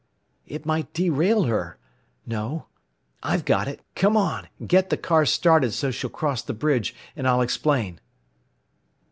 "It might derail her. No. I've got it. Come on, and get the car started so she'll cross the bridge, and I'll explain."